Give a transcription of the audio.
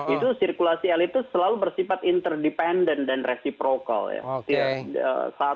itu sirkulasi elit itu selalu bersifat interdependent dan reciprocal ya